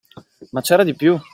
Ma c'era di più!